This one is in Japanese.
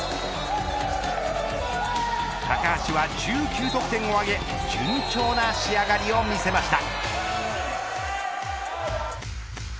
高橋は１９得点を挙げ順調な仕上がりを見せました。